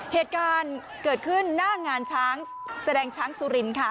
เหตุการณ์เกิดขึ้นหน้างานช้างแสดงช้างสุรินค่ะ